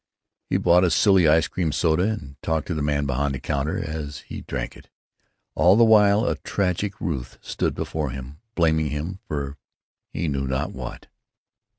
He bought a silly ice cream soda, and talked to the man behind the counter as he drank it. All the while a tragic Ruth stood before him, blaming him for he knew not what.